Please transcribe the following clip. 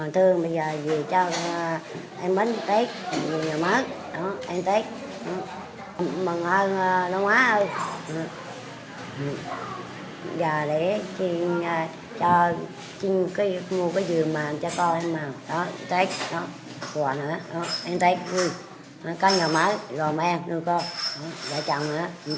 tết năm nay gia đình bà hoa được đón tết trong ngôi nhà mới ấm cúng